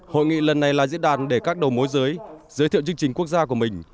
hội nghị lần này là diễn đàn để các đầu mối giới giới thiệu chương trình quốc gia của mình